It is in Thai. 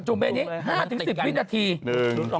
จุบไปในนี้เหรอ